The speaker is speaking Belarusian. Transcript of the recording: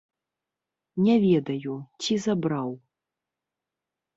Не ведаю, ці забраў.